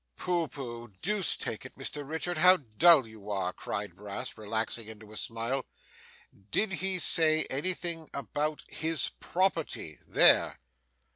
'Pooh, pooh! Deuce take it, Mr Richard, how dull you are!' cried Brass, relaxing into a smile. 'Did he say anything about his property? there!